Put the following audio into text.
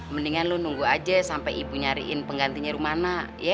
mendingan lo nunggu aja sampe ibu nyariin penggantinya rumana ya